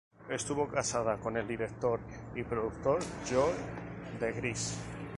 Estuvo casada con el director y productor Joe De Grasse.